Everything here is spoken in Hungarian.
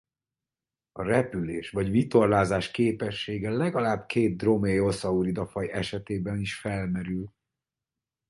A repülés vagy vitorlázás képessége legalább két dromaeosaurida faj esetében is felmerült.